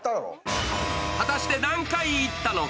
果たして何回言ったのか。